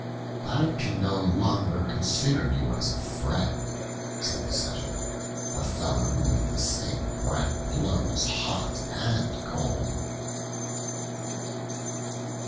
"I can no longer consider you as a friend," said the Satyr, "a fellow who with the same breath blows hot and cold."